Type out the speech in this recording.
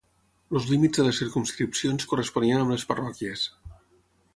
Els límits de les circumscripcions corresponien amb les parròquies.